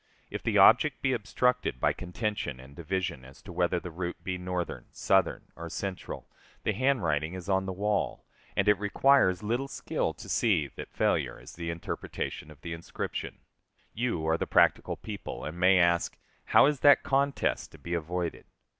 If the object be obstructed by contention and division as to whether the route shall be Northern, Southern, or central, the handwriting is on the wall, and it requires little skill to see that failure is the interpretation of the inscription. You are practical people, and may ask, How is that contest to be avoided?